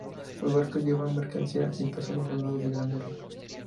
Los barcos llevan mercancías y personas a lo largo de grandes ríos.